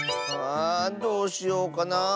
あどうしようかなあ。